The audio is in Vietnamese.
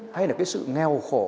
hay là cái sự nghèo khổ